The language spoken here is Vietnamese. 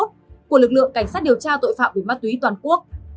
của lực lượng cảnh sát điều tra tội phạm về ma túy toàn quốc